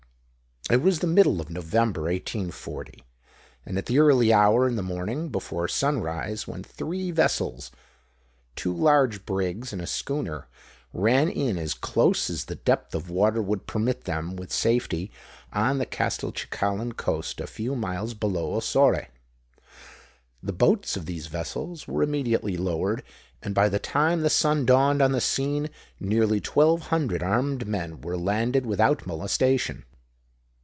It was the middle of November, 1840, and at an early hour in the morning, before sunrise, when three vessels (two large brigs and a schooner) ran in as close as the depth of water would permit them with safety, on the Castelcicalan coast a few miles below Ossore. The boats of these vessels were immediately lowered; and by the time the sun dawned on the scene, nearly twelve hundred armed men were landed without molestation.